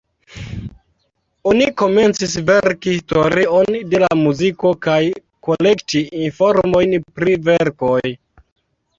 Oni komencis verki historion de la muziko kaj kolekti informojn pri verkoj.